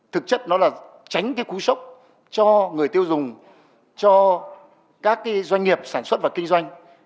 thực chất nó là tránh cái cú sốc cho người tiêu dùng cho các doanh nghiệp sản xuất và kinh doanh